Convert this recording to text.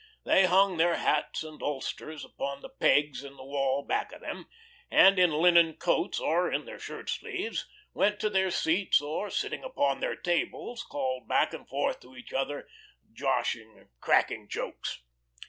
They hung their hats and ulsters upon the pegs in the wall back of them, and in linen coats, or in their shirt sleeves, went to their seats, or, sitting upon their tables, called back and forth to each other, joshing, cracking jokes.